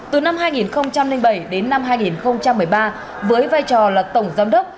từ năm hai nghìn bảy đến năm hai nghìn một mươi ba với vai trò là tổng giám đốc